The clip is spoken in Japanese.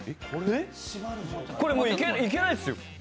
これいけないっすよ。